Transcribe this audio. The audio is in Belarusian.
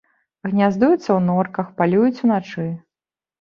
Гняздуюцца ў норках, палююць уначы.